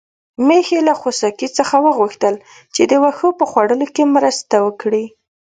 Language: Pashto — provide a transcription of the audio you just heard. میښې له خوسکي څخه وغوښتل چې د واښو په خوړلو کې مرسته وکړي.